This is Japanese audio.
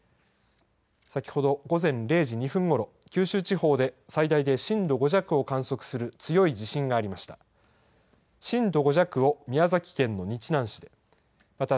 先ほど午前０時２分ごろ、九州地方で最大で震度５弱を観測する強い地震がありました。